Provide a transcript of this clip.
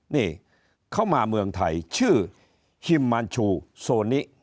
นี่เขามาเมืองไทยชื่อฮิมมานชูโซนิ